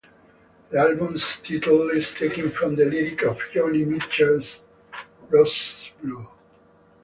The album's title is taken from the lyric of Joni Mitchell's "Roses Blue".